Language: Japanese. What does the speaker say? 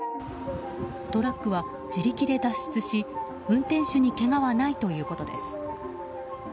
トラックは自力で脱出し運転手にけがはないということです。